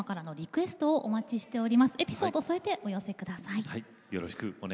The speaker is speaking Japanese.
エピソードを添えてお寄せください。